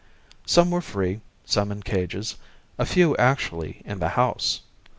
Some were free, some in cages, a few actually in the house.